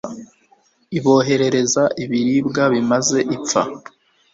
iboherereza ibiribwa bibamaze ipfa